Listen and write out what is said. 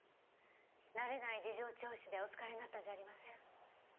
慣れない事情聴取でお疲れになったんじゃありません？